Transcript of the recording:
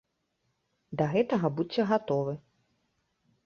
Да гэтага будзьце гатовы.